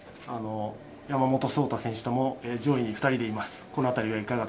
山本草太選手とも上位に２人でいます。